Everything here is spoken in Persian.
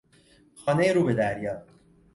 خانهی رو به دریا